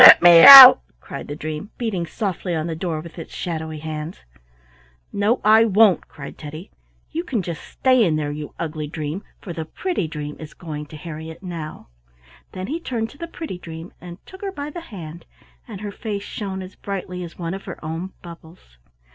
let me out!" cried the dream, beating softly on the door with its shadowy hands. "No, I won't," cried Teddy. "You can just stay in there, you ugly dream, for the pretty dream is going to Harriett now." Then he turned to the pretty dream and took her by the hand, and her face shone as brightly as one of her own bubbles.